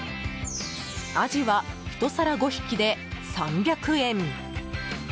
アジは、１皿５匹で３００円。